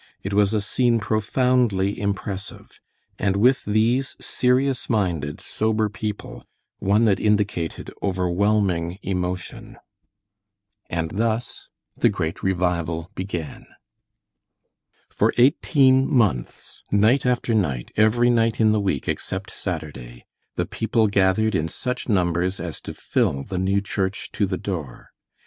It was a scene profoundly impressive, and with these serious minded, sober people, one that indicated overwhelming emotion. And thus the great revival began. For eighteen months, night after night, every night in the week except Saturday, the people gathered in such numbers as to fill the new church to the door.